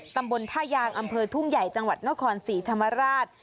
ตำบลท่ายางอำเภอทุ่งใหญ่จังหวัดนครศรีธรรมราช